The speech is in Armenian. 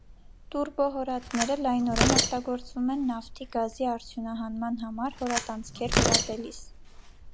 Տուրբոհորատները լայնորեն օգտագործվում նն նավթի գազի արդյունահանման համար հորատանցքեր հորատելիս։